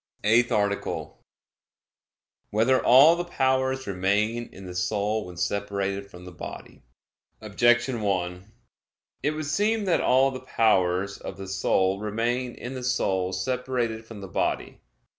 _______________________ EIGHTH ARTICLE [I, Q. 77, Art. 8] Whether All the Powers Remain in the Soul When Separated from the Body? Objection 1: It would seem that all the powers of the soul remain in the soul separated from the body.